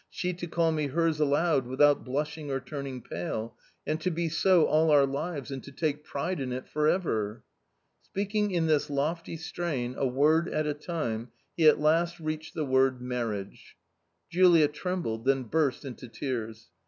she to call me hers aloud, without blushing or turning pale .... and to be so all our lives, and to take pride in it for ever." Speaking in this lofty strain, a word at a time, he at last reached the word marriage. Julia trembled, then burst into tears.